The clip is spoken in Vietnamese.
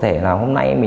thì hắn vẫn không thay đổi